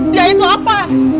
dia itu apa